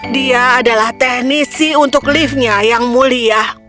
dia adalah teknisi untuk liftnya yang mulia